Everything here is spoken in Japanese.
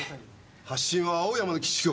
発信は青山の基地局。